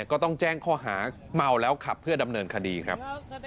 ก็ต้องแจ้งข้อหาเมาแล้วขับเพื่อดำเนินคดีครับ